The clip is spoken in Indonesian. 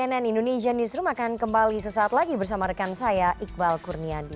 dan cnn indonesian newsroom akan kembali sesaat lagi bersama rekan saya iqbal kurniadi